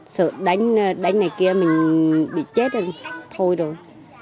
sợ đánh này kia mình bị chết thôi rồi